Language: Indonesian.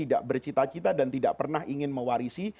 tidak bercita cita dan tidak pernah ingin mewarisi